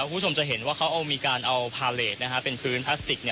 คุณผู้ชมจะเห็นว่าเขามีการเอาพาเลสเป็นพื้นพลาสติก